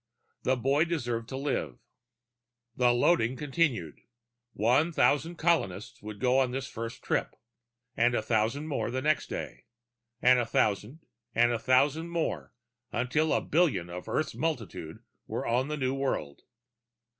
The boy deserved to live._ The loading continued. One thousand colonists would go this first trip, and a thousand more the next day, and a thousand and a thousand more until a billion of Earth's multitudes were on the new world.